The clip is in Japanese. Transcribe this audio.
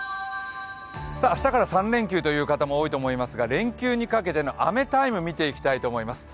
明日から３連休という方も多いと思いますが、連休にかけての雨タイムを見たいと思います。